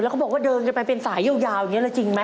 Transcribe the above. แล้วก็บอกว่าเดินกันไปเป็นสายยาวอย่างนี้เลยจริงไหม